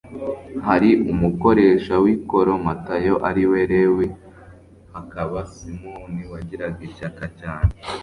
Hari umukoresha w'ikoro Matayo ari we Lewi, hakaba Simoni wagiraga ishyaka cyane,